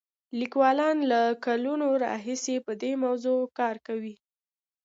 لیکوالان له کلونو راهیسې په دې موضوع کار کوي.